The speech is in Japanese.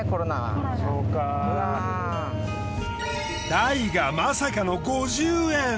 タイがまさかの５０円！